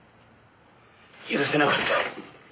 許せなかった。